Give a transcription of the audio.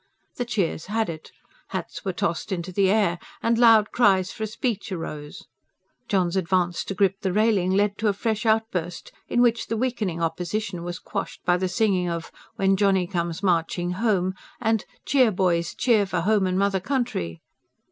The cheers had it; hats were tossed into the air, and loud cries for a speech arose. John's advance to grip the railing led to a fresh outburst, in which the weakening opposition was quashed by the singing of: "When Johnny comes marching home!" and "Cheer, boys, cheer, For home and mother country!"